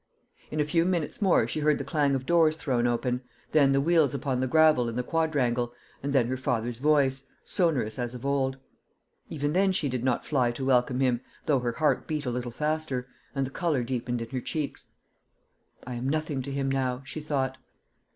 In a few minutes more she heard the clang of doors thrown open, then the wheels upon the gravel in the quadrangle, and then her father's voice, sonorous as of old. Even then she did not fly to welcome him, though her heart beat a little faster, and the colour deepened in her cheeks. "I am nothing to him now," she thought.